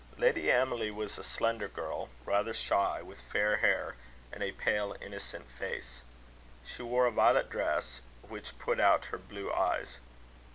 Lady Emily was a slender girl, rather shy, with fair hair, and a pale innocent face. She wore a violet dress, which put out her blue eyes.